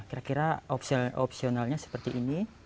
kira kira opsionalnya seperti ini